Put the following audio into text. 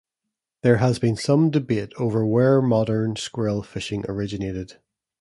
There has been some debate over where modern squirrel fishing originated.